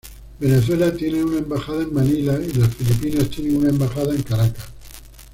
Venezuela tiene una embajada en Manila y las Filipinas tienen una embajada en Caracas.